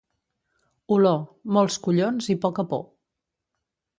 Oló, molts collons i poca por.